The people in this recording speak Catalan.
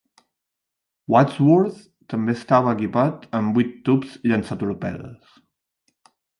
"Wadsworth" també estava equipat amb vuit tubs llançatorpedes.